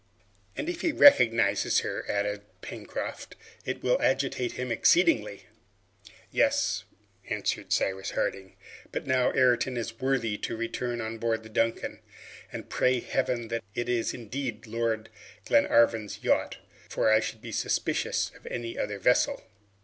"And if he recognizes her," added Pencroft, "it will agitate him exceedingly!" "Yes," answered Cyrus Harding; "but now Ayrton is worthy to return on board the 'Duncan,' and pray Heaven that it is indeed Lord Glenarvan's yacht, for I should be suspicious of any other vessel.